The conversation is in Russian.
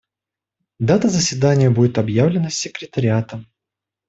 Дата заседания будет объявлена секретариатом.